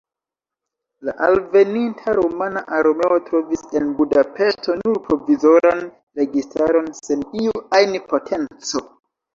La alveninta rumana armeo trovis en Budapeŝto nur provizoran registaron sen iu ajn potenco.